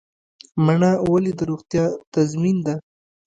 مڼه ولې د روغتیا تضمین ده؟